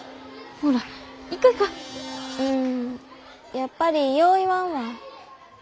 やっぱりよう言わんわ。